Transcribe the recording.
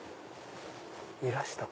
いらした。